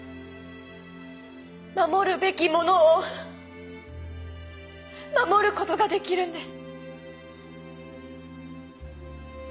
守るべきものを守ることができるんです。